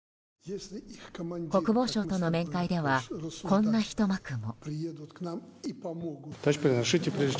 国防相との面会ではこんなひと幕も。